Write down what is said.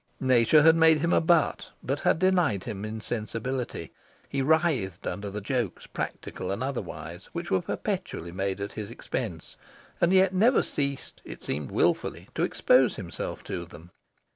Nature had made him a butt, but had denied him insensibility. He writhed under the jokes, practical and otherwise, which were perpetually made at his expense, and yet never ceased, it seemed wilfully, to expose himself to them.